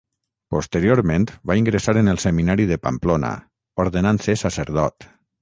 Posteriorment va ingressar en el Seminari de Pamplona, ordenant-se sacerdot.